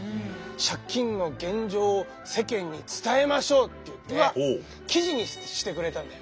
借金の現状を世間に伝えましょうって言って記事にしてくれたんだよ。